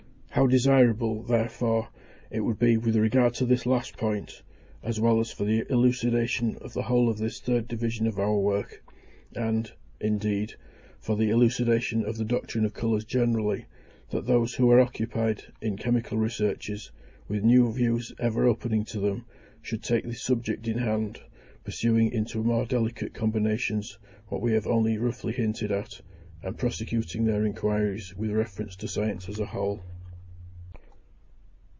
How desirable, therefore, it would be with regard to this last point, as well as for the elucidation of the whole of this third division of our work, and, indeed, for the elucidation of the doctrine of colours generally, that those who are occupied in chemical researches, with new views ever opening to them, should take this subject in hand, pursuing into more delicate combinations what we have only roughly hinted at, and prosecuting their inquiries with reference to science as a whole.